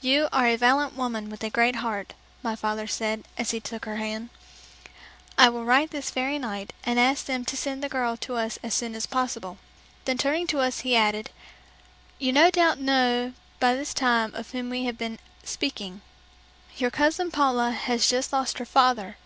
"You are a valiant woman with a great heart," my father said, as he took her hand. "I will write this very night and ask them to send the girl to us as soon as possible." Then turning to us he added, "You no doubt know by this time of whom we have been speaking. Your cousin Paula has just lost her father.